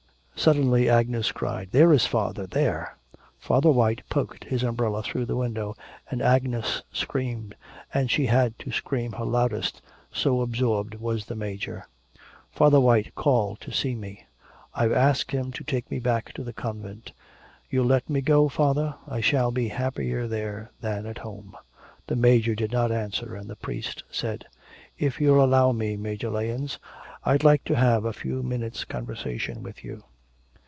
Suddenly Agnes cried 'There is father, there.' Father White poked his umbrella through the window, and Agnes screamed, and she had to scream her loudest, so absorbed was the Major. 'Father White called to see me. I've asked him to take me back to the convent. You'll let me go, father? I shall be happier there than at home.' The Major did not answer and the priest said: 'If you'll allow me, Major Lahens, I'd like to have a few minutes' conversation with you.'